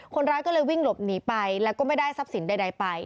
คนร้ายก็เลยวิ่งหลบหนีไปแล้วก็ไม่ได้ทรัพย์สินใดไป